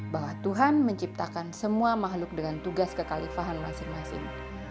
bahwa tuhan menciptakan semua makhluk dengan tugas kekalifahan masing masing